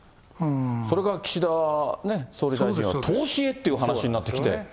それから岸田総理大臣は投資へっていう話になってきて。